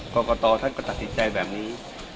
กรกตท่านก็ตัดสินใจแบบนี้